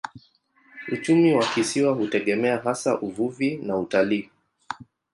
Uchumi wa kisiwa hutegemea hasa uvuvi na utalii.